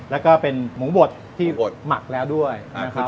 แล้วก็เป็นหมูบดที่อดหมักแล้วด้วยนะครับ